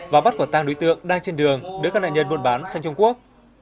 và tăng đối tượng đang trên đường đưa các nạn nhân buôn bán sang trung quốc